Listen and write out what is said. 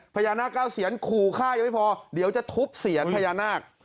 พญานาคเก้าเซียนขู่ฆ่ายังไม่พอเดี๋ยวจะทุบเซียนพญานาค